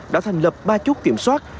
đã thành lập ba chút kiểm soát